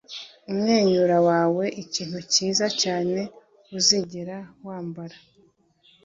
umwenyura wawe nikintu cyiza cyane uzigera wambara